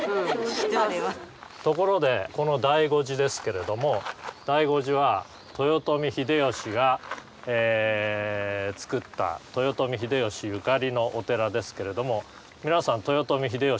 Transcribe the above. ところでこの醍醐寺ですけれども醍醐寺は豊臣秀吉が造った豊臣秀吉ゆかりのお寺ですけれども皆さん豊臣秀吉のこと知ってますか？